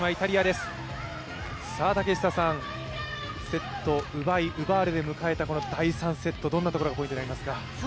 セットを奪い奪われで迎えた第３セット、どんなところがポイントになりますか？